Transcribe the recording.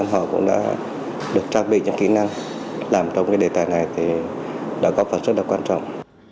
họ cũng đã được trang bị những kỹ năng làm trong cái đề tài này thì đã góp phần rất là quan trọng